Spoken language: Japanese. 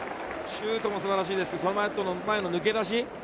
シュートも素晴らしいですけれど、その前の抜け出し。